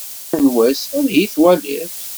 Kra n wass, ad iyi-twaliḍ.